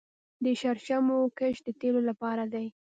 د شرشمو کښت د تیلو لپاره دی